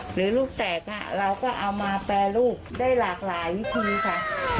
หรือลูกแตกเราก็เอามาแปรรูปได้หลากหลายวิธีค่ะ